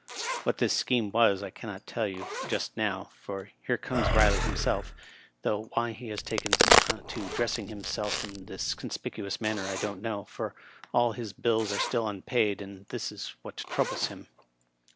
What this scheme was I can not tell you just now, for here comes Kiley himseM, though why he has taken to dressing him seK in this conspicuous manner I don't know, for all his bills are still unpaid, and this is what troubles him.